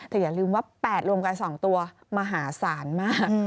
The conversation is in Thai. แต่อย่าลืมว่า๘รวมกัน๒ตัวมหาศาลมาก